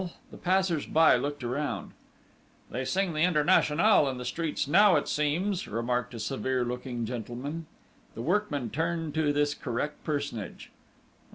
_" The passers by looked round. "They sing the Internationale in the streets now, it seems!" remarked a severe looking gentleman. The workman turned to this correct personage.